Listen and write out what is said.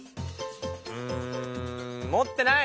うん持ってない。